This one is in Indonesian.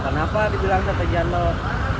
kenapa dibilang sate jandung